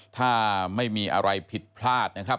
ถ้าไม่มีอะไรผิดพลาดนะครับ